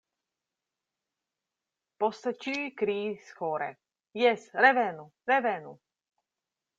Poste ĉiuj kriis ĥore: “Jes, revenu, revenu.”